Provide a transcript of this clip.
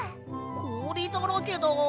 こおりだらけだ！